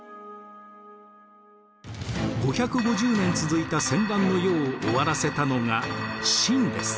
５５０年続いた戦乱の世を終わらせたのが秦です。